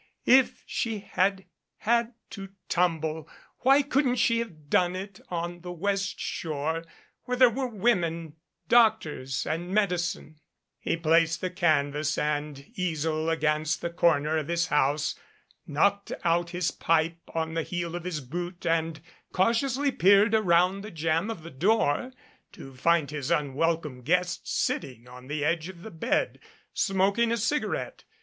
If she had had to tumble why couldn't she have done it on the West shore where there were women, doctors and medicines ? He placed the canvas and easel against the corner of his house, knocked out his pipe on the heel of his boot and 34 MAROONED cautiously peered around the jamb of the door to find his unwelcome guest sitting on the edge of the bed smoking a cigarette.